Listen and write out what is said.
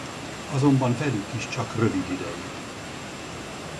Azonban velük is csak rövid ideig.